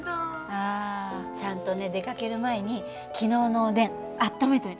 あちゃんとね出かける前に昨日のおでん温めといたの。